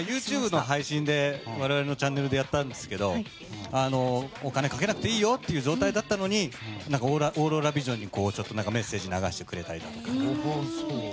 ＹｏｕＴｕｂｅの配信で我々のチャンネルでやったんですけどお金をかけなくていいよという状態だったのにメッセージを流してくれたり。